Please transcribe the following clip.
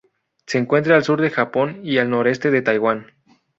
Se encuentra al sur del Japón y al noreste de Taiwán.